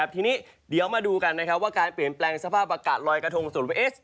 ทีนี้เดี๋ยวมาดูกันว่าการเปลี่ยนแปลงสภาพอากาศลอยกระทงส่วนว่าเอส